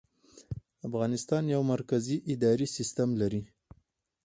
افغانستان یو مرکزي اداري سیستم لري